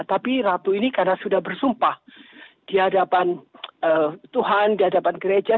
tapi ratu ini karena sudah bersumpah di hadapan tuhan di hadapan gereja